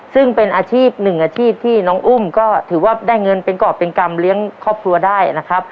ซึ่งเป็นอาชีพหนึ่งอาชีพที่น้องอุ้มก็ถือว่าได้เงินเป็นกรอบเป็นกรรมเลี้ยงครอบครัวได้นะครับ